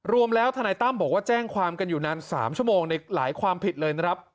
รวมแล้วธตั้มบอกว่าแจ้งความกันอยู่นาน๓ชั่วโมงหลายความผิดเลย